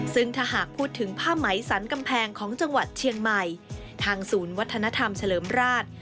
ซึ่งถ้าหากพูดถึงผ้าไหมสันกำแพงของจังหวัดเชียงใหม่ทางศูนย์วัฒนธรรมเฉลิมราช